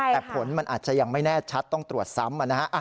แต่ผลมันอาจจะยังไม่แน่ชัดต้องตรวจซ้ำนะฮะ